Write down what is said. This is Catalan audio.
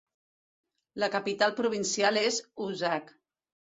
La capital provincial és Uşak.